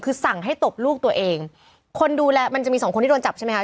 คือสั่งให้ตบลูกตัวเองคนดูแลมันจะมีสองคนที่โดนจับใช่ไหมค